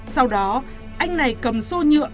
sau đó anh này cầm xô nhựa